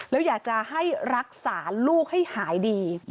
แล้วอยากจะให้รักษาลูกให้หายดี